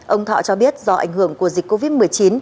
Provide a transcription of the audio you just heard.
ông thọ cho biết do ảnh hưởng của dịch covid một mươi chín